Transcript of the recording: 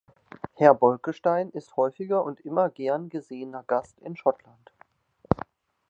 Herr Bolkestein ist häufiger und immer gern gesehener Gast in Schottland.